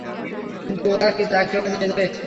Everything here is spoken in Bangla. কিন্তু ওরা কি তাকেও নিয়ে যাবে?